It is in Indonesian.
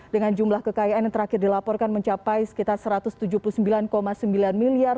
dengan jumlah kekayaan yang terakhir dilaporkan mencapai sekitar satu ratus tujuh puluh sembilan sembilan miliar